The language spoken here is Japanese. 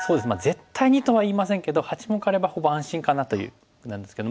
絶対にとは言いませんけど８目あればほぼ安心かなということなんですけども。